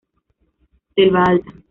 Selva alta.